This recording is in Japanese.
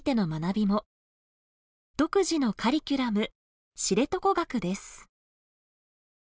独自のカリキュラム「知床学」です。